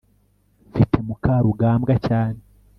mfite mukarugambwa cyane